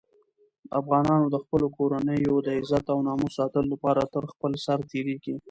افغانان د خپلو کورنیو د عزت او ناموس ساتلو لپاره تر خپل سر تېرېږي.